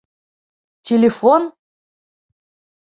Телефон!